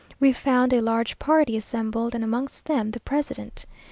We found a large party assembled, and amongst them the president.